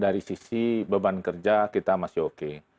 dari sisi beban kerja kita masih oke